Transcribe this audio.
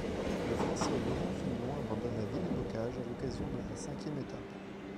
Le Français Laurent Fignon abandonne à Villers-Bocage à l'occasion de la cinquième étape.